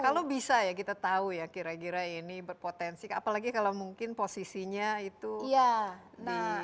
kalau bisa ya kita tahu ya kira kira ini berpotensi apalagi kalau mungkin posisinya itu di